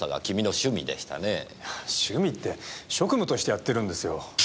趣味って職務としてやってるんですよ。